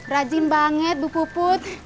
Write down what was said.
rajin banget bu kuput